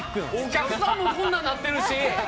お客さんもこんなんなってるし。